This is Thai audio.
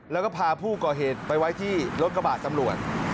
แล้วก็พาผู้ก่อเหตุไปไว้ที่รถกระบาดตำรวจ